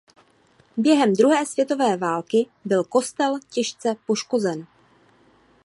Během druhé světové války byl kostel těžce poškozen.